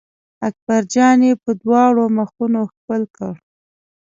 اکبر جان یې په دواړو مخونو ښکل کړ.